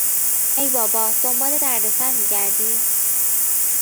ای بابا دنبال دردسر میگردی؟